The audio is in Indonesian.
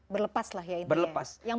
berlepas lah ya